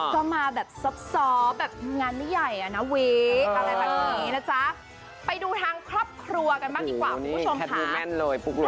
ก็มาแบบซับซ้อมงานไม่ใหญ่อะนะเว้อะไรแบบนี้นะจ๊ะไปดูทางครอบครัวกันมากดีกว่าคุณผู้ชมค่ะแคทบูมันเลยปุ๊กลุ๊ก